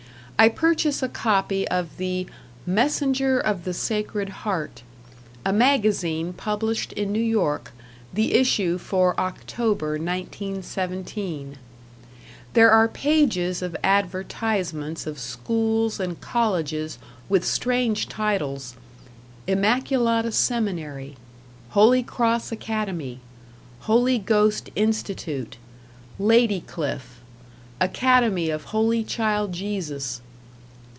I purchase a copy of the "Messenger of the Sacred Heart", a magazine published in New York, the issue for October, 1917. There are pages of advertisements of schools and colleges with strange titles: "Immaculata Seminary", "Holy Cross Academy", "Holy Ghost Institute", "Ladycliff", "Academy of Holy Child Jesus".